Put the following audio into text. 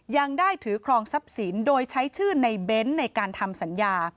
ยังได้ถือครองทรัพย์สินโดยใช้ชื่อในเบ้นในการทำสัญญา